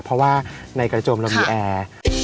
เพราะว่าในกระจมเรามีแอร์